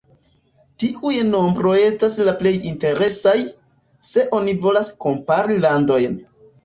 Tiuj nombroj estas la plej interesaj, se oni volas kompari landojn.